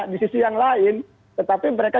di sisi yang lain tetapi mereka